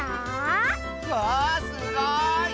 わあすごい！